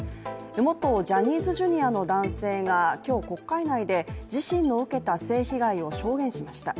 元ジャニーズＪｒ．の男性が今日、国会内で自身の受けた性被害を証言しました。